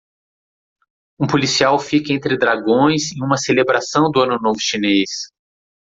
Um policial fica entre dragões em uma celebração do Ano Novo Chinês